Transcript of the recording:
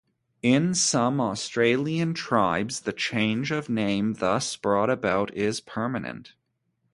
In some Australian tribes the change of name thus brought about is permanent.